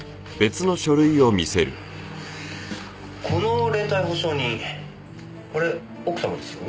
この連帯保証人これ奥様ですよね？